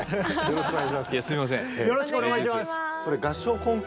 よろしくお願いします。